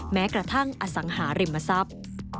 แม้กระทั่งอสังหาริมทรัพย์